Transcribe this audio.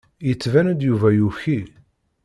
Yettban-d Yuba yuki.